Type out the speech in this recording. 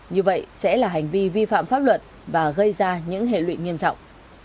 như vậy sẽ là hành vi vi phạm pháp luật và gây ra những hệ lụy nghiêm trọng